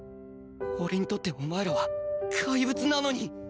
俺にとってお前らはかいぶつなのに